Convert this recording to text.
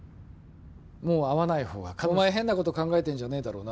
もう会わない方が彼女のためお前変なこと考えてんじゃねえだろうな